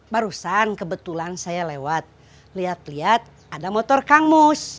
barusan kebetulan saya lewat liat liat ada motor kangmus